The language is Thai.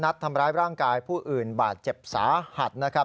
นัดทำร้ายร่างกายผู้อื่นบาดเจ็บสาหัสนะครับ